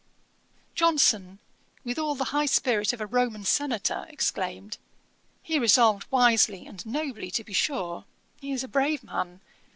Johnson, with all the high spirit of a Roman senator, exclaimed, 'He resolved wisely and nobly to be sure. He is a brave man.